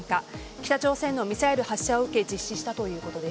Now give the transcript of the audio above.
北朝鮮のミサイル発射を受け実施したということです。